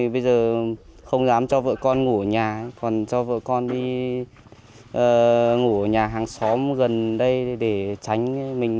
bây giờ không dám cho vợ con ngủ ở nhà còn cho vợ con đi ngủ ở nhà hàng xóm gần đây để tránh mình